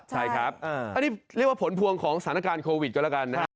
ใช่ครับอันนี้เรียกว่าผลพวงของสถานการณ์โควิดก็แล้วกันนะฮะ